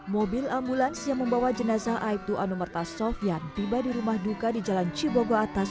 mobil ambulans yang membawa jenazah aibtu anumerta sofian tiba di rumah duka di jalan cibogo atas